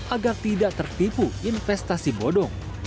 agar tidak tertipu investasi bodong